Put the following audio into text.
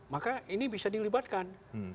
maka ini bisa dilibatkan